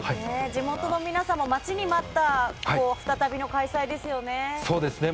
地元の人も待ちに待った再びの開催ですね。